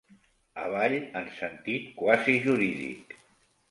Avall en sentit quasi jurídic.